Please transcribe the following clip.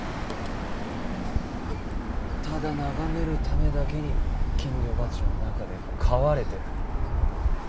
ただ眺めるためだけに金魚鉢の中で飼われてる。